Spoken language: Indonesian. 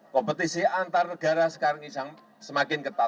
kompetisi antarnegara sekarang semakin ketat